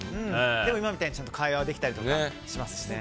でも今みたいにちゃんと会話できたりしますしね。